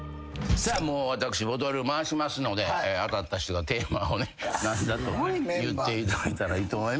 さあ私ボトル回しますので当たった人がテーマをね言っていただいたらいいと思います。